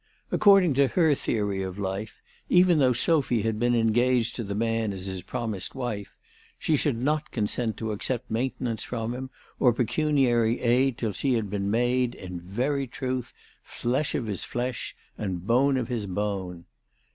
According to her theory of life, even though Sophy had been engaged to the man as his promised wife, she should not consent to accept maintenance from him or pecuniary aid till she had been made, in very truth, flesh of his flesh, and bone of his bone.